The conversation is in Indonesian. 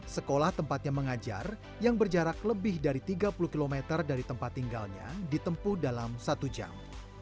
sekolah tempatnya mengajar yang berjarak lebih dari tiga puluh km dari tempat tinggalnya ditempuh dalam satu jam